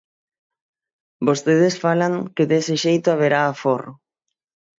Vostedes falan que dese xeito haberá aforro.